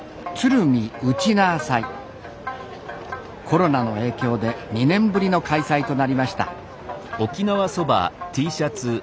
コロナの影響で２年ぶりの開催となりました。